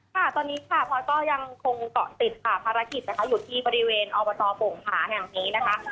ค่ะตอนนี้ค่ะพลอยก็ยังคงเกาะติดค่ะภารกิจนะคะอยู่ที่บริเวณอบตโป่งผาแห่งนี้นะคะ